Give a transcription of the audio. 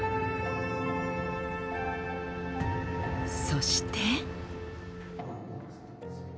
そして。